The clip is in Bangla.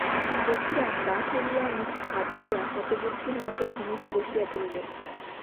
দুখিরাম দা ফেলিয়া মুখে হাত দিয়া হতবুদ্ধির মতো ভূমিতে বসিয়া পড়িল।